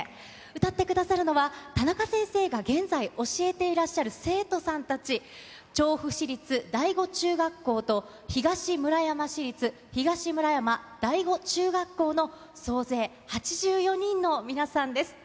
歌ってくださるのは、田中先生が現在教えていらっしゃる生徒さんたち、調布市立第五中学校と、東村山市立東村山第五中学校の総勢８４人の皆さんです。